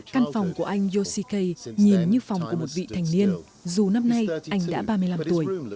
căn phòng của anh yoshike nhìn như phòng của một vị thành niên dù năm nay anh đã ba mươi năm tuổi